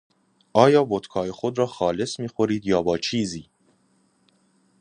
آیا ودکای خود را خالص میخورید یا با چیزی؟